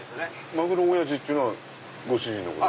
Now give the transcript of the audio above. マグロおやじっていうのはご主人のこと？